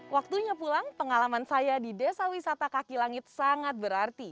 waktunya pulang pengalaman saya di desa wisata kaki langit sangat berarti